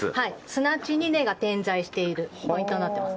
砂地に根が点在しているポイントになってます。